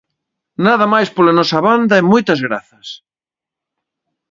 Nada máis pola nosa banda e moitas grazas.